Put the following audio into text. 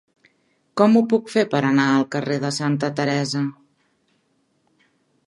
Com ho puc fer per anar al carrer de Santa Teresa?